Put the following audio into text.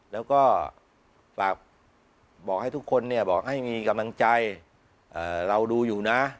แล้วก็ฝากบอกให้ทุกคนเนี่ยบอกให้มีกำลังใจเราดูอยู่นะ